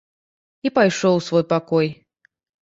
І пайшоў у свой пакой.